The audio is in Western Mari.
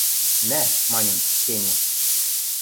— Нӓ, маньым, Сеню!